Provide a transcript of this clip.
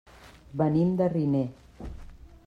Venim de Riner.